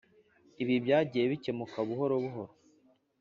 Ibi byagiyebikemuka buhoro buhoro.